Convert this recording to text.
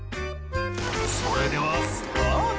それではスタート。